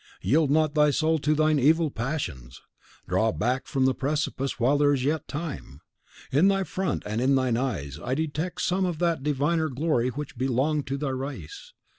Yield not thy soul to thine evil passions. Draw back from the precipice while there is yet time. In thy front, and in thine eyes, I detect some of that diviner glory which belonged to thy race.